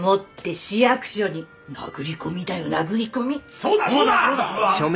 そうだそうだ！